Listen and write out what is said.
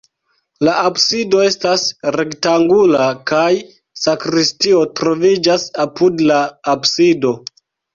La absido estas rektangula kaj sakristio troviĝas apud la absido.